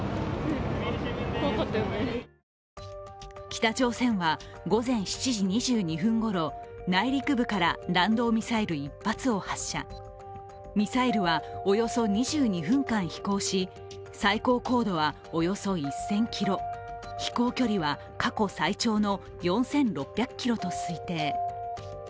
北朝鮮は午前７時２２分ごろ、内陸部から弾道ミサイル１発を発射ミサイルはおよそ２２分間飛行し最高高度はおよそ１０００ｋｍ、飛行距離は過去最長の４６００ｋｍと推定。